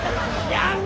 やめ！